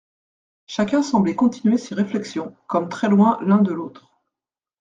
Chacun semblait continuer ses réflexions, comme très loin l'un de l'autre.